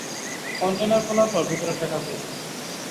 Container খোলার পর ভিতরে ট্র্যাকার পেয়েছিলাম।